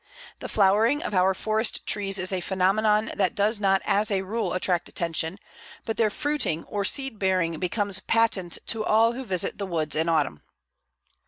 The flowering of our forest trees is a phenomenon that does not as a rule attract attention, but their fruiting or seed bearing becomes patent to all who visit the woods in autumn.